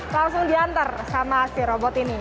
langsung diantar sama si robot ini